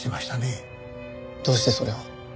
どうしてそれを？